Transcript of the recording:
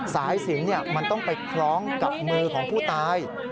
สายสิงมันต้องไปคล้องกับมือของผู้ตาย